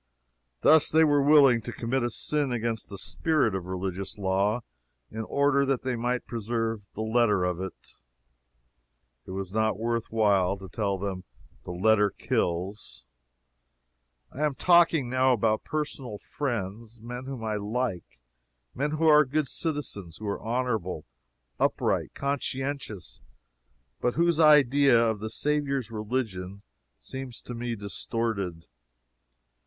Thus they were willing to commit a sin against the spirit of religious law, in order that they might preserve the letter of it. It was not worth while to tell them "the letter kills." I am talking now about personal friends; men whom I like; men who are good citizens; who are honorable, upright, conscientious; but whose idea of the Saviour's religion seems to me distorted.